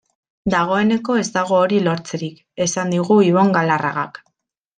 Dagoeneko ez dago hori lortzerik, esan digu Ibon Galarragak.